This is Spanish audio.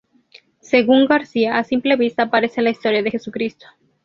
Según García, a simple vista parece la historia de Jesucristo.